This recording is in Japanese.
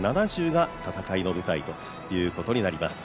７０が戦いの舞台ということになります。